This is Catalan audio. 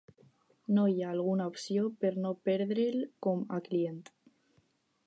No hi ha alguna opció per no perdre'l com a client?